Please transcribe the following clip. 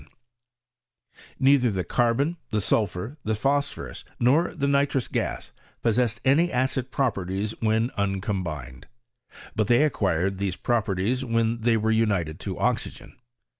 Neither the carbon, the sulphur, the phosphorus, nor the nitrous gas, possessed any acid properties when uncombined; but they acquired these properties when they were united to oxygen.